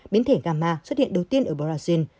biến thể gamma xuất hiện đầu tiên ở brazil